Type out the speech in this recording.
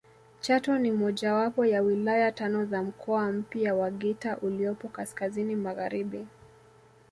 Chato ni mojawapo ya wilaya tano za mkoa mpya wa Geita uliopo kaskazini magharibi